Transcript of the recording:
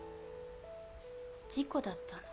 事故だったの。